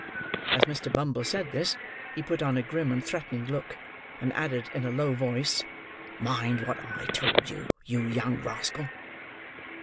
As Mr. Bumble said this, he put on a grim and threatening look, and added, in a low voice, "Mind what I told you, you young rascal!"